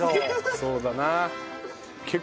そうだな。